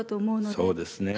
そうですね。